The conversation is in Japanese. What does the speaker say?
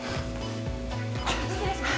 失礼します。